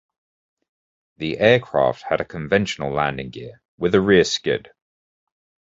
The aircraft had a conventional landing gear, with a rear skid.